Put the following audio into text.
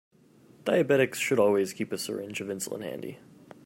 Diabetics should always keep a syringe of insulin handy.